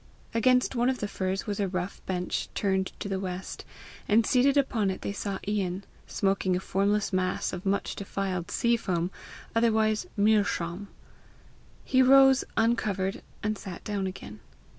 Against one of the firs was a rough bench turned to the west, and seated upon it they saw Ian, smoking a formless mass of much defiled sea foam, otherwise meer schaum. He rose, uncovered, and sat down again.